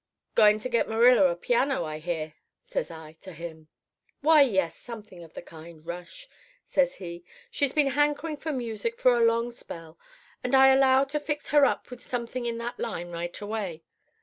"'Going to get Marilla a piano, I hear,' says I to him. "'Why, yes, something of the kind, Rush,' says he. 'She's been hankering for music for a long spell; and I allow to fix her up with something in that line right away.